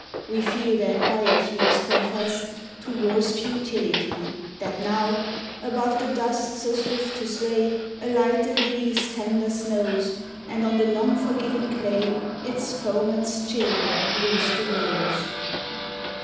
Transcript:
We feel their quietudes confess To war's futility, that now Above the dust so swift to slay Alight the lily's tender snows, And on the long forgiven clay Its foeman's children loose the rose.